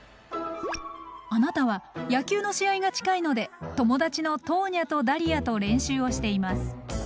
あなたは野球の試合が近いので友達のトーニャとダリアと練習をしています。